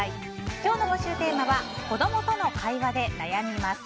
今日の募集テーマは子供との会話で悩みますです。